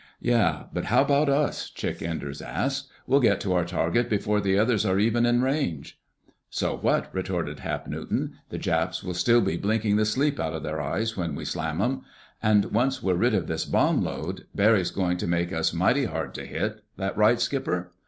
"Yeah, but how about us?" Chick Enders asked. "We'll get to our target before the others are even in range." "So what?" retorted Hap Newton. "The Japs will still be blinking the sleep out of their eyes when we slam 'em. And once we're rid of this bomb load, Barry's going to make us mighty hard to hit. That right, Skipper?"